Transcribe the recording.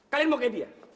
kalian mau ganti ya